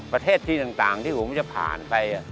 ประเทศจีนต่างที่ผมจะผ่านไป